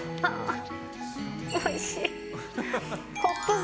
おいしい。